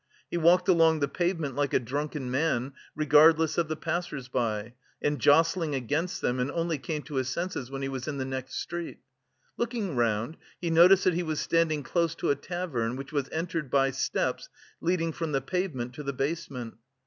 He walked along the pavement like a drunken man, regardless of the passers by, and jostling against them, and only came to his senses when he was in the next street. Looking round, he noticed that he was standing close to a tavern which was entered by steps leading from the pavement to the basement.